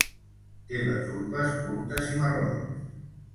Té les urpes curtes i marrons.